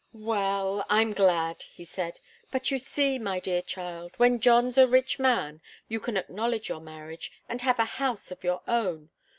"Well I'm glad," he said. "But you see, my dear child, when John's a rich man, you can acknowledge your marriage, and have a house of your own.